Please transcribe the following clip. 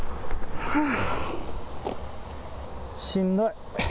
しんどい。